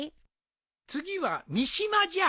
次は三島じゃ。